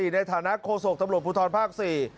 ในฐานะโฆษกตำรวจภูทรภาค๔